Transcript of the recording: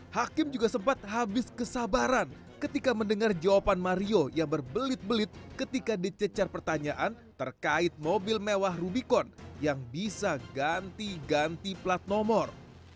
hakim juga sempat habis kesabaran ketika mendengar jawaban mario yang berbelit belit ketika dicecar pertanyaan terkait mobil mewah rubicon yang bisa ganti ganti plat nomor